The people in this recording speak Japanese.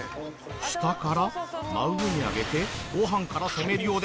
下から真上に上げてご飯から攻めるようです。